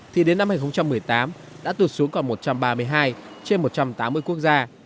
thì đến năm hai nghìn một mươi tám đã tụt xuống còn một trăm ba mươi hai trên một trăm tám mươi quốc gia